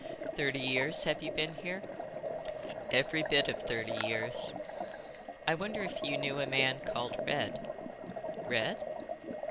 Thirty years have you been here?" "Every bit of thirty years." "I wonder if you knew a man called Red?" "Red?"